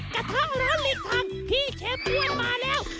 กระทะร้อนลิคทางพี่เชฟพ่วนมาแล้ว